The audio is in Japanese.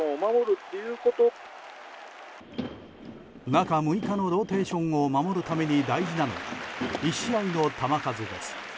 中６日のローテーションを守るために大事なのは１試合の球数です。